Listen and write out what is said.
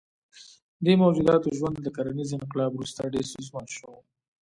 دې موجوداتو ژوند له کرنیز انقلاب وروسته ډېر ستونزمن شو.